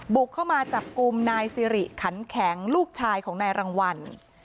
บุกเข้ามาจับกลุ่มนายสิริขันแข็งลูกชายของนายรางวัล